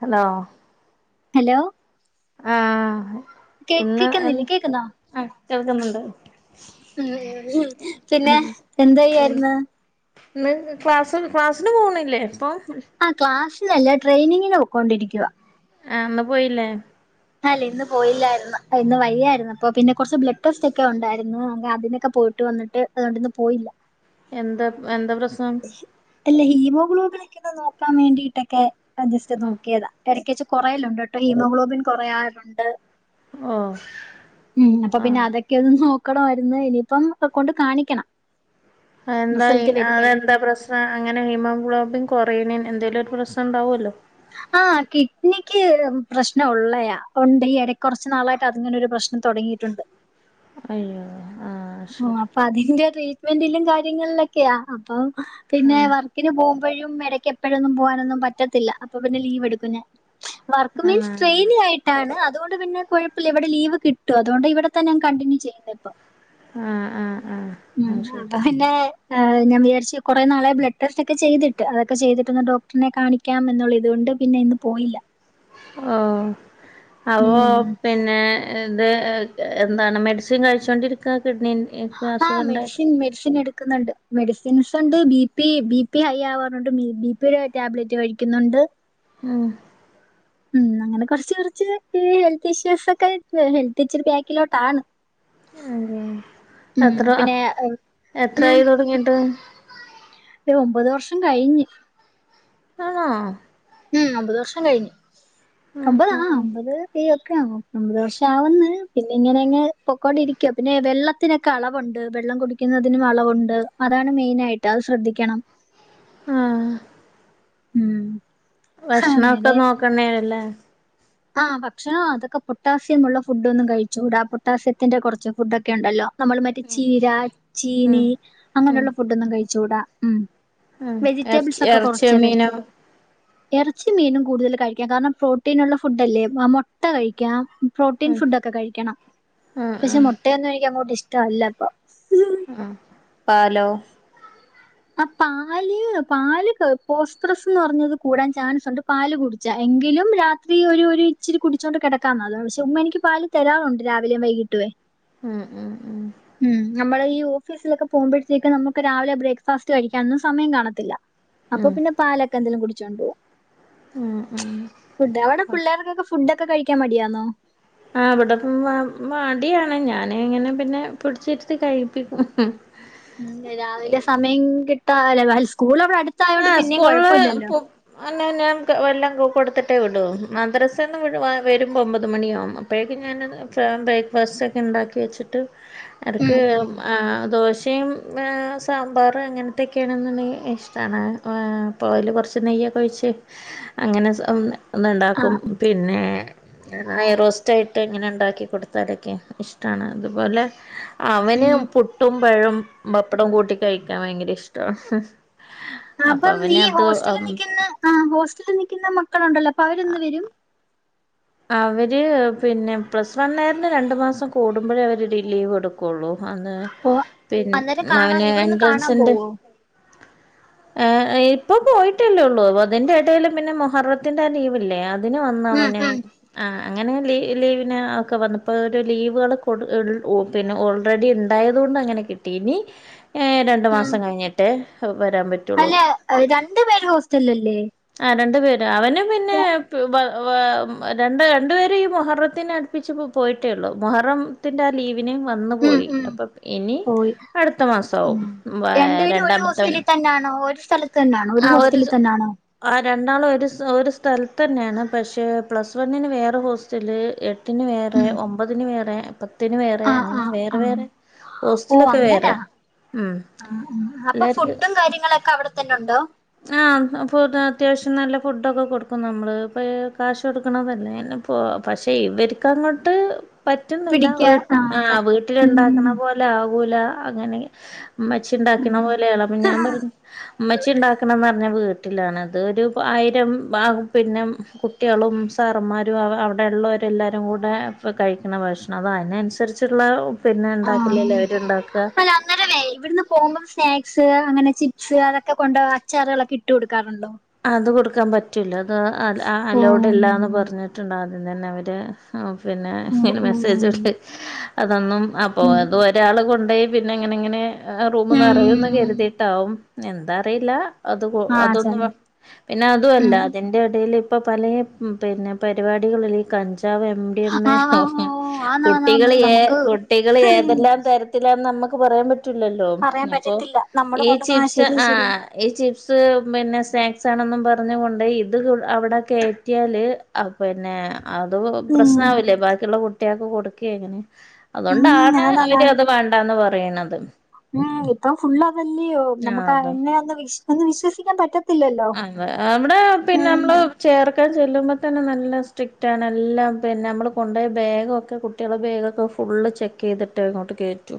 Hello hello ആഹ് കേക്ക് ഇന്ന് ക്കുന്നില്ലേ എന്ന് കേക്കുന്നാ ആഹ് കേൾക്കുന്നുണ്ട് പിന്നെഎന്തേയ്യെര് ന്ന് ഇന്ന് ക്ലാസ് ക്ലാസ്ന്പോണില്ലേപ്പൊ ആ ക്ലാസ്സിനല്ല ട്രെയിനിങ്ങിന് പോയിക്കൊണ്ടിരിക്യ ആന്ന പോയില്ലേ അല്ലഇന്ന്പോയില്ലായിരുന്നു ഇന്ന് വയ്യായിരുന്നു അപ്പൊ പിന്നെ കൊർച്ച് ബ്ലഡ് ടെസ്റ്റ് ഒക്കെ ഉണ്ടാരുന്നു അ അതിനൊക്കെ പോയി ട്ട് വന്ന്ട്ട് അതോണ്ട് ഇന്ന് പോയില്ല എന്താ എന്താ പ്രശ്നം അല്ല ഹീമോഗ്ലോബിനൊക്കെ ഒന്ന് നോക്കാൻ വേണ്ടിയിട്ടൊക്കെ അ ജസ്റ്റ് നോക്കിയതാ എടക്കേച്ച് കൊറേല്ലുണ്ട്ട്ടോ ഹീമോഗ്ലോബിൻ കൊറയാറുണ്ട് ഓഹ് ഉം അപ്പൊ പിന്നെ ആഹ് അതൊക്കെ ഒന്ന് നോക്കണമായിര്ന്ന് ഇനിയിപ്പം ഒ കൊണ്ട് കാണിക്കണം. എന്തായി റിസൾട്ട് വരുമ്പോഴും അടെണ്ട് എന്തപ്രശനം അങ്ങനെ ഹിമോഗ്ലോബിൻ കൊറീനിയൻന്തേലും ഒരു പ്രശനം ഇണ്ടാവോല്ലോ ആഹ കിഡ്നിക്ക് പ്രശ്നം ഉള്ളയ ഉണ്ട് ഈ എട കുറച്ച്നാളായിട്ട് അതിങ്ങനെരു പ്രശ്നം തെടങ്ങിയിട്ടുണ്ട്. അയ്യോ ആഹ ഓ അപ്പൊ അതിന്റെ ട്രീറ്റ്മെന്റിലും കാര്യങ്ങളക്കെയാ അപ്പൊ പിന്നെ വ ആഹ് വർകിന് പോകുമ്പോഴും എടക്ക് എപ്പോഴൊന്നും പോകാനൊന്നും പറ്റത്തില്ല അപ്പൊ പിന്നെ ലീവ് എടുക്കും ഞാൻ. വർക്ക് ആഹ് മീൻസ് ട്രെയിനി ആഹ് ആയിട്ട് ട്ടാണ് അതുകൊണ്ട് പിന്നെ കുഴപ്പില്ല ഇവടെ ലീവ് കിട്ടും അതുകൊണ്ട് ഇവടെ തന്നെ അങ് കണ്ടിന്യൂ ചെയ്യുന്നത് ഇപ്പം. ഉം ഉം ഉം ഉം. അതാ പിന്നെ ഹ ഞാൻ വിചാരിച്ച് കെറെ നാളെ ബ്ലഡ് ടെസ്റ്റ് ഒക്കെ ചെയ്തിട്ട്. അക്കെ ചെയ്തിട്ട്ന്ന് ഡോക് ഡറിനെ. കാണിക്കാം എന്നുള്ള ഇതുകൊണ്ട് പിന്നെ ഇന്ന് പോയില്ല. ഓ അോ അപ്പൊ ഉം പിന്നെ. ഇത് എ എന്താണ് മെഡിസിൻ കഴിച്ചുകൊണ്ടിരിക്കാ കിഡ്നിൻ്റെ ആഹ് മെഡിസിൻ മെഡിസിൻ എടുക്ക്ന്ന്ണ്ട്. മെഡിസിൻസ് ഒണ്ട് B P B P high ആവാറുണ്ട് ബി ബിപിടെ ടാബ്ലറ്റ് കഴിക്കുന്നോണ്ട്. ആഹ് ഉം അങ്ങനെ കെറച്ച് കൊറച്ച് ഹെൽത്ത് ഇഷ്യൂസ് ഒക്കെ ഹെൽത്ത് ഇച്ചരെ ബാക്കിലോട്ടാണ്. ഉം പിന്നെ ആഹ് ഉം തൊടങ്ങിട്ട് ഒരു ഒമ്പത് വർഷം കഴിഞ്ഞ്. ആണോ ഉം ഒമ്പത് വർഷം കഴിഞ്ഞ് ഉം ഒമ്പതാ ആഹ് ഉം ഒമ്പത്. [unintelligible] ഒമ്പത് വർഷാവ്ന്ന് പിന്നെ ഇങ്ങനെങ്ങ് പൊക്കോണ്ടിരിക്കാ പിന്നെ വെള്ള ത്തിനൊക്കെ അളവോണ്ട് വെള്ളം കുടിക്കുന്നതിനും അളവോണ്ട് അതാണ് മെയിനായിട്ട് അത് ശ്രദ്ധിക്കണം. ആഹ് ഉം വക്ഷണം ഒക്കെ നോക്കണേല്ലേ? ആഹ് ഭക്ഷണം അതൊക്കെ പൊട്ടാസ്യമുള്ള ഫുഡൊന്നും കഴിച്ചു കൂടാ പൊട്ടാസ്യത്തിന്റെ കൊറച്ച് ഫുഡ് ഒക്കെണ്ടല്ലോ? നമ്മള് മറ്റേ ചീര, ഉം ചീനി ഉം അങ്ങനെള്ള ഫുഡ്ഒന്നും കഴിച്ചൂടാ ഉം ഉം ഇറച്ചി വെജിറ്റബിൾസ് ഒക്കെ ഇറച്ചിയോ കൊറച്ച കഴി മീനോ എറച്ചിം മീനും കൂടുതല് കഴിക്കാം കാരണം പ്രോട്ടീനൊള്ള ഫുഡ് അല്ലേ ആഹ് മൊട്ട കഴിക്കാം. പ്രോട്ടീൻ ഉം ഫുഡക്കെ കഴിക്കണം. ഉം പഷേ ഉം മെട്ടയൊന്നും എനിക്ക് അങ്ങോട്ട് ഇഷ്ടല്ലപ്പോ ആഹ് പാലോ? ആഹ് പാല് പാല് പോസ്പ്രസ്ന്ന് പറഞ്ഞത് കൂടാൻ ചാൻസോണ്ട് പാല് കുടി ച്ചാ എങ്കിലും രാത്രി ഒരു ഒരു ഇച്ചിരി കുടിച്ചോണ്ട് കെടക്കാന ചുമ്മ എനിക്ക് പാല് തരാറോണ്ട് രാവിലേം വൈകി ട്ടുവേ ഉം ഉം ഉം ഉം നമ്മള് ഈ ഓഫീസിലൊക്കെ പോകുമ്പോഴത്തേക്ക് നമുക്ക് രാവിലെ ബ്രക്ക് ഫസ്റ്റ് കഴിക്കാനൊന്നും സമയം കാണത്തില്ല അപ്പോ ഉം പിന്നെ പാലൊക്കെ എന്തെലും കുടിച്ചോണ്ടോകും ഉം ഉം ഫുഡ് അവടെ പിള്ളേർക്കൊക്കെ ഫുഡോക്കെ കഴിക്കാൻ മടിയാന്നോ? ആഹ് അവിടെപ്പം വാ മടിയാണ് ഞാനിങ്ങനെ പിന്നെ പിടിച്ചിരിത്തി കഴിപ്പിക്കും. ഉം രാവിലെ സമയം കിട്ടാല്ല അൽ സ്കൂള അട് ആഹ് സ്കൂൾല് പോ അന്നാ ഞാൻ വെല്ലോം കൊടുത്തിട്ടേ വിടു മദ്രസെന്ന് വിടു വരുമ്പോ ഒമ്പത് മണിയാവും അപ്പോഴേക്കും ഞാന് ബ്രേക്ക്ഫാസ്റ്റ്ക്കെ ഇണ്ടാക്കി വെച്ചിട്ട് ഉം അർക്ക് ഉം ആഹ് ദോശയും ആഹ് സാമ്പാറ് അങ്ങനത്തൊക്കെയാണെന്നെണ്ടങ്കി ഇഷ് ട്ടാണ് ആഹ് പ്പോ ഓല് കൊറച്ച് നെയ്യൊക്ക ഒഴിച്ച് അങ്ങനെ ഒന്നിണ്ടാക്കും ആഹ് പിന്നെ ആഹ് നെയ്യ് റോസ്റ്റയിട്ട് ഇങ്ങനെ ഇണ്ടാക്കി കൊടുത്താലൊക്കെ ഇഷ്ടാണ് അതുപോലെ അവന് ഉം പുട്ടും പഴവും ബപ്പടം കൂട്ടി കഴിക്കാൻ ഭയങ്കര ഇഷ്ടവാ ആഹ് അപ്പം ഈ ഹോസ്റ്റലി നിക്കുന്ന ആഹ് ഹോസ്റ്റലി നിക്കുന്ന മക്കളുണ്ടല്ലോ അപ്പ അവര്ന്ന് വരും അവര് പിന്നെ പ്ലസ് വൺണാരന് രണ്ട് മാസം കൂടുമ്പഴേ അവര് ഡി ലീവ് കൊടുക്കുള്ളൂ അന്ന് ഓ പിന്ന് അന്നേരം കാണാ മാവന് ഇവിടുന്ന് കാണാൻ പോവും. എൻട്രൻസിന്റെ ഏഹ് ഇപ്പ പോയിട്ടല്ലേള്ളൂ അതിന്റെ ഇടെല് പിന്നെ മൊഹറത്തിന്റെ ലീവില്ലേ അതിന് വന്ന് ഉം അവന് ഉം ആഹ് അങ്ങനെ ലീവിന് ഒക്കെ വന്നപ്പോ ഓരോ ലീവുകള് കൊട് ഇൾ ഓ ത്ത് പിന്നെ ഓൾറെഡി ഇണ്ടായത്കൊണ്ട് അങ്ങനെ കിട്ടി ഇനി ഏഹ് രണ്ട് ണ്ട് ഉം മാസം കഴിഞ്ഞിട്ടേ വരാൻ പ അല്ല രണ്ടു പേര് ഹോസ്റ്റലിലല്ലേ ആഹ് രണ്ടു പേര് അവന് പിന്നെ വാ രണ്ട് രണ്ടുപേരും ഈ മൊഹറത്തിന് അടുപ്പിച്ച് പോയിട്ടേ ഇള്ളൂ മൊഹറത്തിന്റെ ലീവ് ന് വന്ന് ഉം പോയി ഉം അപ്പം ഇനി പോയി അടുത്ത മാസവും രണ്ടാമത്തെവന് തന്നണോ ഒരു സ്ഥലത്ത് തന്നണോ ഒരു ഹോസ്റ്റലി തന്നണോ ആഹ് രണ്ടാളും ഒരു ഒരു സ്ഥലത്ത് തന്നെയാണ് പക്ഷെ പ്ലസ് വണ്ണിന് വേറെ ഹോസ്റ്റല് എ ട്ടിന് വേറെ ഉം ഒമ്പതിന് വേറെ പത്തിന് വേറെ ആഹ് അങ്ങനെ ആഹ് വേറെ ആഹ് വേറെ ഓ ഹോസ്റ്റലൊക്കെ അങ്ങനാ വേറെ ഉം ആഹ് ഉം അപ്പം എല്ലാർക്കും ഫുഡും കാര്യങ്ങളൊക്കെ അവിടെത്തന്നെ ഉണ്ടോ ആഹ് ഫ് അത്യാവശ്യം നല്ല ഫുഡൊക്കെ കൊടുക്കും നമ്മള് ഇപ്പ കാശ് കൊടുക്കണതല്ലേ പോ പക്ഷെ ഇവരിക്ക് അങ്ങോട്ട് പറ്റുന്നില്ല പിടിക്കാ വീ ആഹ് പ വീ- ട്ടില് ഉം ഒണ്ടാക്കുന്ന പോലെ ആകൂല അങ്ങനെ മ്മച്ചി ഇണ്ടാക്കിണ പോലെയളപിന്നെ ഞാൻ പറഞ്ഞു ഉമച്ചി ഉണ്ടാക്ക്‌ വീട്ടിലാണ് അത് ഒരു ആയിരംബാകും പിന്നെ കുട്ടികളും സാറുംമ്മാരും അവിടെ ഇള്ളോരും എല്ലാവരും കൂടെ കഴിക്കണ ഭക്ഷണം അന് അതിന് അതിനനുസരിച്ചിട്ടുള്ള പിന്നെ ഉണ്ടാക്കില്ലല്ലേ അവര്ണ്ടാക്ക അന്നാരവേ ഇവിടുന്ന് പോകുമ്പോം സ്നാക്സ് അങ്ങനെ ചിപ്സ് അതൊക്കെ കൊണ്ട് അച്ചാറുകളൊക്കെ ഇട്ട് കൊടുക്കാറുണ്ടോ അത് കൊടുക്കാൻ പറ്റൂല അത് അഹ് ഓ അലോഡ് അല്ലന്ന് പറഞ്ഞിട്ടുണ്ട് ആദ്യം തന്നെ അവര് പിന്നെ ഓ ഇങ്ങനെ ഓ മെസ്സേജ് ഇണ്ട് അതൊന്നും അപ്പ ഉം അതു ഒരാള് കൊണ്ട് പോയി പിന്നെ ഇങ്ങനെ ഇങ്ങനെ റൂമ നിറയന്ന് ഉം കരുതിയിട്ടാവും എന്താ അറിയില്ല അത് കൊ ആഹ് ചെല അതൊന്നും പിന്നെ അതു അല്ല ഉം അതിന്റെ ഇടയിൽ ഇപ്പ പലെ പിന്നെ പരിപാടികളിൽ ഈ കഞ്ചാവ് എംഡി യെമ്മെ ആഹ് ആഹ് ഓ ആന്നാന്നാന്ന് കുട്ടികള് ഏ നമുക്ക് കുട്ടികള് ഉം ഏതെല്ലാം തരത്തി ത്തിലാന്ന് നമ്മക്ക് പറയാൻ പറ്റൂല്ലല്ലോ പറയാൻ അപ്പൊ പറ്റത്തില്ല നമ്മള് ഈ കൊണ്ട് ആ ചിപ്സ് ശരിയാ ശരിയാ ആഹ് ഈ ചിപ്സ് പിന്നെ സ്നാ ക്സ് ണെന്നും പറഞ്ഞുകൊണ്ട് ഇത് അവിടെ കേറ്റിയാല് ആഹ് പിന്നെ അതു ഉം പ്രസ‌ന ആവില്ലേ ബാക്കിയുള്ള കുട്ടിയക്ക് കൊടുക്കെ അങ്ങനെ ഉം അതുകൊണ്ടാണ് അതാന്നാ അവര് അത് വേണ്ടന്ന് പറയണത് ഉം ഇപ്പം ഫുള് അതല്ലയോ ആ നമക്ക് അതെ എന്നെ ഒന്ന് വിശ്വ ഒന്ന് വിശ്വസിക്കാൻ പറ്റാ ആഹ് അവിടെ പിന്നെ നമ്മള് ചേർക്കാൻ ചെല്ലുമ്പോൾ തന്നെ നല്ല സ്ട്രിക്റ്റാണ് എല്ലാം പിന്നെ നമ്മള് കൊണ്ടോയ പോയ ബാഗക്കെ കു കുട്ടിയാള്ള ബാഗൊക്കെ ഫുള്ള് ചെക്ക് ചെയ്തിട്ട് ഇങ്ങോട്ട് കേറ്റു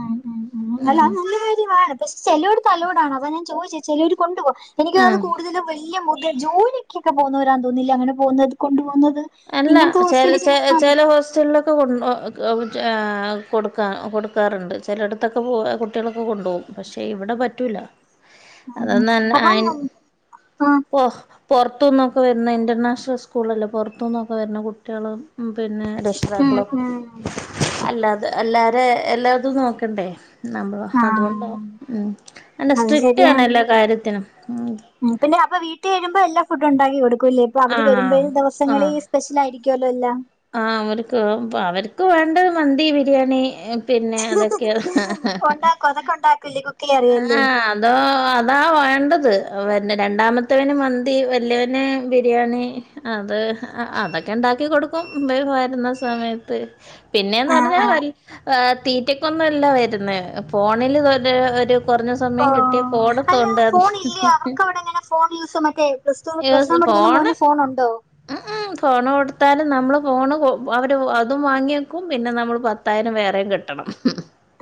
ഉം ഉം അല്ല അത് നല്ലകാര്യവാ പക്ഷെ ചിലോടത്ത് അലോടാണ് അതാ ഞാൻ ചോദിച്ചേ ചേലോര് കൊണ്ട് പോ എനിക്ക് അത് ഉം കൂടുതലും വല്യ മുഗ്‌ ജോലിക്കൊക്കെ പോകുന്നോരാ തോന്നില്ല അങ്ങനെ പോകുന്നത് കൊണ്ടു പോകുന്നത് അല്ല ഇങ്ങനത്തെ ചേല ഹോസ്റ്റലിൽ ചേ ചിലപ്പാന്ന് ചെല ഹോസ്റ്റലിലൊക്കെ ഒക്കെ കൊ കൊടുക്കാ കൊടുക്കാറുണ്ട് ചേലടുത്തൊക്കെ പോ കുട്ടികളൊക്കെ കൊണ്ടുപോകും പക്ഷെ ഇവിടെ പറ്റൂല ഉം അതന്ന തന്നെ അപ്പം ആയിൻ ഉം പോ പോർത്തുനിന്ന്ന്നൊക്കെരുന്ന ഇന്റർനാഷ്ണൽ സ്കൂള് അല്ലേ പോർത്തുന്നൊക്കെ വരണ കുട്ടികളും പിന്നെ രക്ഷി ഉം ക്കാളും ഉം അല്ലാതെ എല്ലാര എല്ലാതും നോക്കെണ്ടെ നമ്മള അതുകൊണ്ട ആഹ് ഉം അല്ല അത് സ്ട്രിക്റ്റ് ആണ് ശരിയാണ് എല്ലാ കാര്യത്തിനും ഉം ഉം പിന്നെ അപ്പൊ വീട്ടിൽ കഴുമ്പോ എല്ലാ ഫുഡ് ഉണ്ടാക്കി കൊടുക്കൂല്ലേ ഇപ്പൊ അവര് വരുമ്പോ ആഹ് ദിവസങ്ങള ആഹ് ഈ സ്പെഷ്യൽ ആയിരിക്കുമല്ലോ എല്ലാം ആഹ് അവർക്ക് അവർക്ക് വേണ്ടത് മന്തി ബിരിയാണി പിന്നെ അതൊക്കെയാ ഉണ്ടാക്കും അതൊക്കെ ഉണ്ടാക്കില്ലേ കുക്കയ്യാ അറിയല്ലേ അതോ അതാ വേണ്ടത് രണ്ടാമത്തവന് മന്തി വലിയവന് ബിരിയാണി. അത് അതൊക്കെ ഉണ്ടാക്കി കൊടുക്കും വരുന്ന സമയത്ത് പിന്നെന്ന് ആഹ് ആഹ് പറഞ്ഞാൽ തീറ്റക്കൊന്നല്ല വരുന്ന ഫോണിൽ തോ അല്ല ഫോൺ ഇല്ലേ അവർക്ക്വടെ എങ്ങനെ ഫോൺ യൂസ് മറ്റേ പ്ലസ്ടു പ്ലസ് വൺ യൂസ് പഠിക്കുന്ന ഫോണ് മോന് ഫോണുണ്ടോ ഉം ഉം ഫോണ് കൊടുത്താലും നമ്മള് ഫോണ് അവര് അതും വാങ്ങിയേക്കും പിന്നെ നമ്മള് പ പത്തായിരം വേറെയും കെട്ടണം.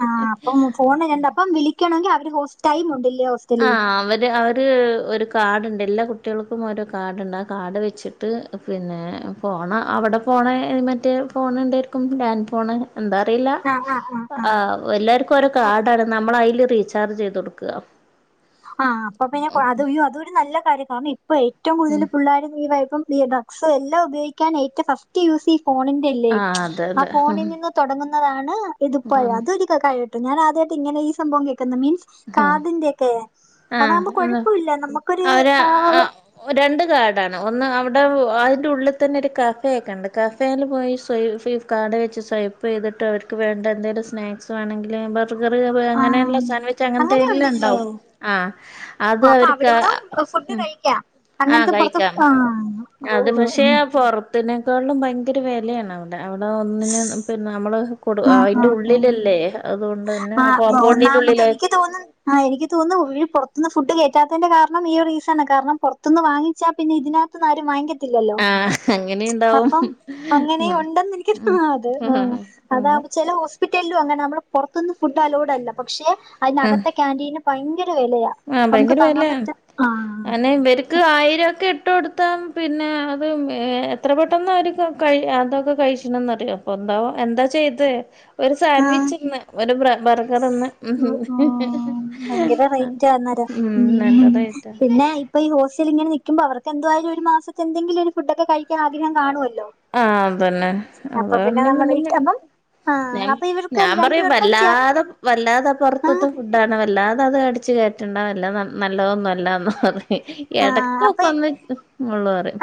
ആഹ് അപ്പം ഫോൺന്നണ്ട് അപ്പം വിളിക്കണമെങ്കിൽ അവര് ഹോസ്ടൈം ഉണ്ടല്ലേ ഹോസ്റ്റലിൽ ആഹ് അവര് അവര് ഒരു കാർട്ണ്ട് എല്ലാ കുട്ടികൾക്കും ഒരു ഓരോ കാർഡണ്ട് ആഹ് കാർഡ് വെച്ചിട്ട് പിന്നെ ഫോണ അവിടെ ഫോണ മറ്റ് ഫോൺ ഉണ്ടായിരിക്കും ലാൻഡ് ഫോൺ എന്താറിയില്ല ആഹ് എല്ലാർക്കും ഓരോ കാർഡാണ് നമ്മൾ അയിൽ റീചാർജ് ചെയ്ത് കൊട്ക്ക. ആഹ് അപ്പ പിന്നെ അത് അതൊരു നല്ല കാര്യ കാര്ണേ ഇപ്പേ ഏറ്റവും കൂടുതൽ പിള്ളേർ നീ വായ്പം [unintelligible] സോ എല്ല ഉപയോഗിക്കാൻ ഏറ്റ ഫസ്റ്റ് യൂസി ഇ ഫോണിന്റെല്ലേ. ആഹ് അതെ ആ അതെ ഉം ഫോണിൽ നിന്ന് തൊടങ്ങുന്നതാണ് ഇത്പ്പോഴ ഉം അതൊരിക്ക [unintelligible] ഞാൻ ആദ്യായിട്ട് ഇങ്ങനെ ഈ സംഭവം കേക്ക്ന്ന മീൻസ് കാത് ന്റെ ക്കെ? ആഹ് എന്ന അവര് ആ, ആഹ് രണ്ട് കാർഡാണ് ഒന്ന് അവടെ വ് അഹ്ൻ്റെ ഉള്ള് തന്നെ ഒരു കഫേ ക്കെ ണ്ട്. കഫ് [unintelligible] പോയി സ്വൈഫി കാർഡ് വെച്ച് സ്വൈപ്പ് യ്ത്ട്ട് അവർക്ക് വേണ്ട എന്തെലും സ്നാക്സ് വേണങ്കിൽ ന ബർഗർ ആ, അങ്ങനെള്ള സാൻ അങ്ങനെ ഉണ്ട്ല്ലേ അത് അപ്പ അവർക്ക് അവ്ട്ന്നും ഫുഡ് ഉം കഴി ക്ക്യ ആഹ് അങ്ങൻത്ത പൊർത്ത് കഴിക്കാം ആഹ് അത് പക്ഷെ പൊർത്ത്നേക്കാൾലും ഭയങ്കര വെലയാണ് അഒടെ. അഒടെ ഒന്നിന് പിന്നെ നമ്മള് കൊടു ആ ആ അയിൻ്റെ ആ ഉള്ള്ലല്ലേ അതുകൊ ആഹ് ഒ ഒന്നാമത് എനിക്ക് തോന്ന് ആഹ് എനിക്ക് തോന്ന് ഒര് പൊറത്ത്ന്ന് ഫുഡ് കേറ്റാത്തേന്റെ കാരണം ഈ റീസണാ. കാരണം പൊർത്ത്ന്ന് വാങ്ങിച്ചാ പിന്നെ ഇതിനക ത് ന്ന് ആരും വാങ്ങിക്ക ഇല്ലല്ലോ ആഹ് അങ്ങനെയുണ്ടാവും അപ്പം അങ്ങനെ ആഹ് ഉണ്ടെന്ന് എനിക്ക് ഉം ആഹ് തെ ആഹ് അതാവുമ്പോ ചെലവോശ് പിറ്റല്ലും അങ്ങന നമ്മള് പൊർത്ത്ന്ന് ഫുഡ് അലോഡ് അല്ല പക്ഷെ ആഹ് അയിനകത്തെ ക്യാന്റീന് ഭയങ്കര വെലയാ. ആഹ് ഭയങ്കര വെല അഹന്നെ ഇവര് ക്ക് ആയിരക്കെ ഇട്ട് ട്ത്താം പിന്നെ അത് എത്ര പെട്ടെന്ന് അവർ ക കഴി അതൊക്കെ കഴി [unintelligible] എന്താവോ എന്താ ചെയ്തെ? ഒരു ആഹ് സാൻവിച്ച് ന്ന് ഒരു ബ്ര ബെർഗർ ന്ന് ഉം ഭയങ്കര റേറ്റ് അന്നരം നല്ല ഉം റേറ്റാ പിന്നെ പ്പ ഈ ഹോസ്റ്റൽ ഇങ്ങനെ നിക്കുമ്പോ അവർക്ക് എന്തായാലും ഒരു മാസത്തെ എന്തെങ്കിലു ഒരു ഫുഡക്കെ കഴിക്കാൻ ആഗ്രഹം കാണുല്ലോ? ആഹ് അതന്നെ അഹ് പിന്നെ പിന്നും ഇട്ട് അപ്പം ആ [unintelligible] ഞാൻ അപ്പൊ ഇവർക്ക് ഞാ പറയും രണ്ടുപേർക്കും ചെ വെല്ലാതെ വെല്ലാതെ ആ പൊർത്ത്ത്തെ ഫുഡാണ് വല്ലാതെ അത് അടിച്ച് കേറ്റണ്ട വല്ല മ നല്ലതൊന്നുല്ലാന്ന് പറിം ആ അപ്പൊ എടക്കൊക്കെന്ന് ഉള്ളു റിം.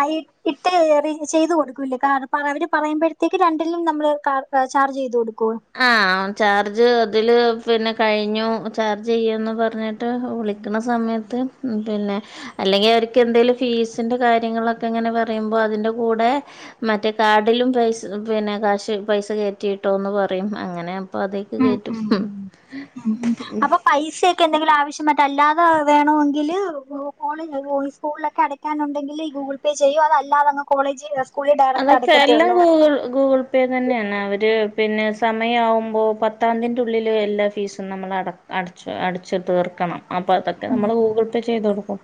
ഇട്ട് ഏറി ചെയ്ത് കൊടുക്കൂല്ലേ കാരം പ്പ അവര് പറയ്മ്പഴത്തേക്ക് രണ്ടിലും നമ്മള് ക ചാർജ് ചെയ്ത് കൊടുക്കോ? ആഹ് ചാർജ് ഇതില് പിന്നെ കഴിഞ്ഞു ചാർജ് ചെയ്യോന്ന് പർഞ്ഞ് ട്ട് വിളിക്ക്ണ സമയത്ത് പിന്നെ അല്ലെങ്കി അവർക്ക് എന്തേലും ഫീസിന്റെ കാര്യങ്ങളൊക്കെ ഇങ്ങനെ പറയുമ്പോ അതിറെ കൂടെ മറ്റേ കാർഡിലും പൈസ പിന്നെ കാശ് പൈസ കേറ്റിയിട്ടോന്ന് പറഞ്ഞു. പറയും അങ്ങനെ അപ്പൊ അതിക്ക് ഉം കേറ്റും. ഉം ഉം ഉം അപ്പൊ പൈസയൊക്കെ എന്തെങ്കിലും ആവശ്യം മറ്റ് അല്ലാതെ വേണോങ്കില് ഓല് വോയിസ്‌ കാളിൽ ഒക്കെ അടക്കാൻ. അടക്കാൻ ഉണ്ടെങ്കില് ഈ ഗൂഗിൾ പേ ചെയ്യോ, അത് അല്ലാതെ കോളേജ്. സ്കൂളിൽ ഡയറക്റ്റ് അതൊക്കെ അടയ്ക്കത്തേ എല്ലാം ഉള്ളൂ ഗൂഗിൾ ഗൂഗിൾ. ജി പേയ് തന്നെയാണ് അവര് പിന്നെ സമയാവുമ്പോൾ പത്താം തീയതിന് ഉള്ളില് എല്ലാ ഫീസും നമ്മൾ അടക്കും. അടച്ച് അടച്ച് തീർക്കണം അപ്പോ അതൊക്കെ നമ്മള് ഗൂഗിൾ പേ ചെയ്തു കൊടുക്കും.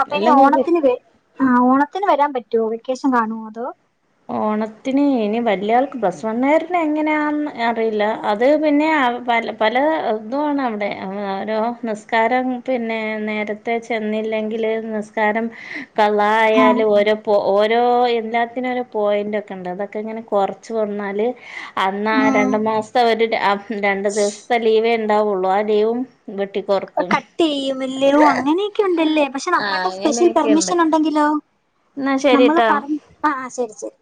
അപ്പൊ ഇനി എല്ലാം ഗൂഗിൾ ഓണത്തിന് വ ആഹ് ഓണത്തിന് വരാൻ പറ്റുവോ, വെക്കേഷൻ കാണുവോ അതോ? ഓണത്തിന് ഇനി വലിയ ആൾക്ക് [unintelligible] എങ്ങനെയാെന്ന് അറിയില്ല അത് പിന്നെ വെല്ല്യ പല ഇതുവാണ് അവിടെ ഓരോ നിസ്കാരം പിന്നെ നേരം. ത്തെ ചെന്നില്ലെങ്കിൽ നിസ്കാരം. കള്ളം ആ ആയാലും ഓരോ പോ ഓരോ എല്ലാത്തിനും ഒരു. പോയിന്റ് ഒക്കുണ്ട്, അതൊക്കെ ഇങ്ങനെ കൊറച്ച് കൊണ്ടുവന്നാല്. അന്ന് ആഹ് ഉം രണ്ടു മാസത്തെ ഒരു രണ്ടു ദിവസത്തെ ലീവേ ഇണ്ടാവുള്ളു, ആഹ് ലീവും. ന്നിട്ട് പൊറത്ത് കട്ട് ചെയ്യും ബില്ലിനും അങ്ങനെയൊക്കെ ഉണ്ടാല്ലേ, പക്ഷെ ആഹ് നമ്മടെ സ്പെഷ്യൽ അങ്ങനെയൊക്കെയുണ്ട് പെർമിഷൻ ഉണ്ടെങ്കിലോ? എന്നാ നമ്മള് ശരിട്ടാ പറഞ്ഞ് ആഹ് ശരി ശരി.